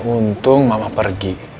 untung mama pergi